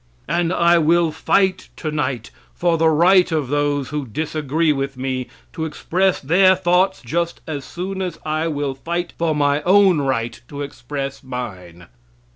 And I will fight tonight for the right of those who disagree with me to express their thoughts just as soon as I will fight for my own right to express mine.